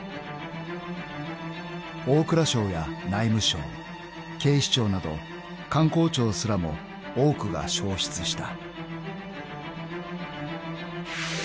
［大蔵省や内務省警視庁など官公庁すらも多くが焼失した］